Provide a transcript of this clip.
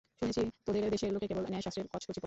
শুনেছি, তোদের দেশে লোকে কেবল ন্যায়শাস্ত্রের কচকচি পড়ে।